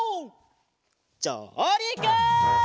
じょうりく！